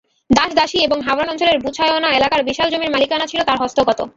দাস-দাসী এবং হাওরান অঞ্চলের বুছায়না এলাকার বিশাল জমির মালিকানা ছিল তার হস্তগত।